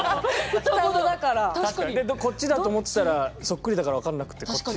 でこっちだと思ってたらそっくりだから分かんなくてこっちで。